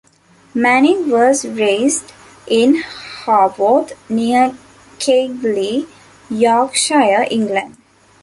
Manning was raised in Haworth, near Keighley, Yorkshire, England.